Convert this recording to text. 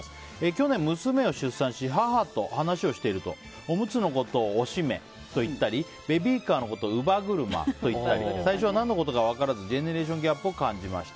去年、娘を出産し母と話をしているとおむつのことをおしめと言ったりベビーカーのことを乳母車と言ったり最初は何のことか分からずジェネレーションギャップを感じました。